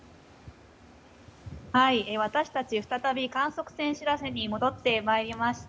私たち再び観測船「しらせ」に戻ってまいりました。